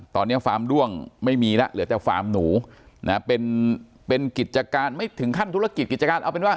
ตอนนี้ฟาร์มด้วงไม่มีแล้วเหลือแต่ฟาร์มหนูเป็นกิจการไม่ถึงขั้นธุรกิจกิจการ